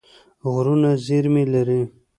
غرونه زېرمې لري.